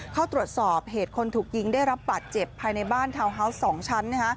เข้าตรวจสอบเหตุคนถูกยิงได้รับบาดเจ็บภายในบ้านทาวน์ฮาวส์๒ชั้น